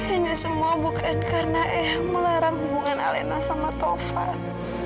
ini semua bukan karena eh melarang hubungan alena sama tovan